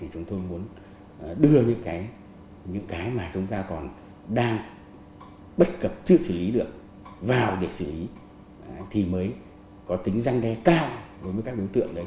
chúng tôi muốn đưa những cái mà chúng ta còn đang bất cập chưa xử lý được vào để xử lý thì mới có tính răng đe cao đối với các đối tượng đấy